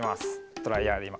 ドライヤーでいま。